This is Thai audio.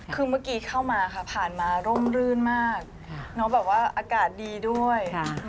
คือเมื่อกี้เข้ามาค่ะผ่านมาร่มรื่นมากอากาศดีด้วย